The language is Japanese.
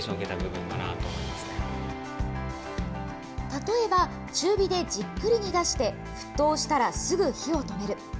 例えば、中火でじっくり煮出して、沸騰したらすぐ火を止める。